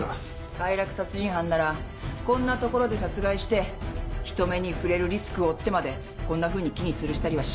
快楽殺人犯ならこんな所で殺害して人目に触れるリスクを負ってまでこんなふうに木につるしたりはしない。